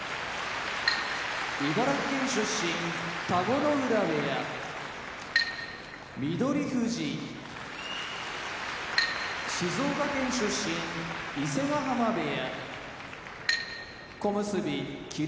茨城県出身田子ノ浦部屋翠富士静岡県出身伊勢ヶ濱部屋小結・霧